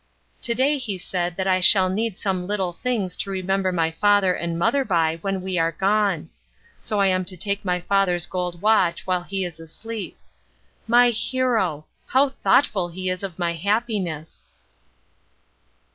To day he said that I shall need some little things to remember my father and mother by when we are gone. So I am to take my father's gold watch while he is asleep. My hero! How thoughtful he is of my happiness.